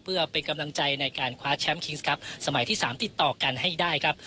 เพื่อเป็นกำลังใจในการคว้าแชมป์คิงส์ครับสมัยที่๓ติดต่อกันให้ได้ครับ